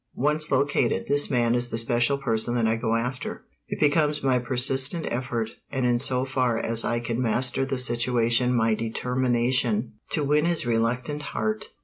Once located, this man is the special person that I go after. It becomes my persistent effort, and in so far as I can master the situation my determination, to win his reluctant heart.